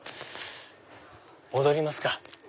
戻りますか。